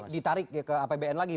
ditarik ke apbn lagi